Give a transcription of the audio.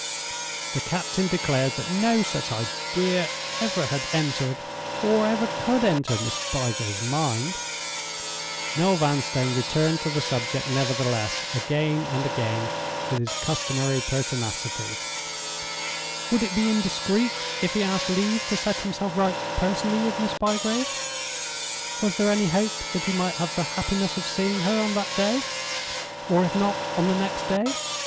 The captain declared that no such idea ever had entered, or ever could enter, Miss Bygrave's mind. Noel Vanstone returned to the subject nevertheless, again and again, with his customary pertinacity. Would it be indiscreet if he asked leave to set himself right personally with Miss Bygrave? Was there any hope that he might have the happiness of seeing her on that day? or, if not, on the next day?